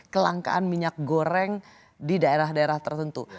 kelangkaan minyak goreng di daerah daerah tertentu